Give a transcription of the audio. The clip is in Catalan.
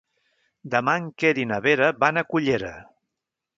Demà en Quer i na Vera van a Cullera.